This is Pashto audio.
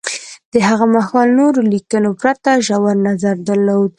د هغه مهال نورو لیکنو پرتله ژور نظر درلود